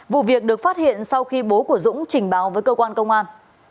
vụ việc được phát hiện sau khi bố của dũng trình báo với cơ quan công an